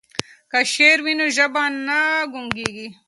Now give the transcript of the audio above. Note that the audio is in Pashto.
که شعر وي نو ژبه نه ګونګیږي.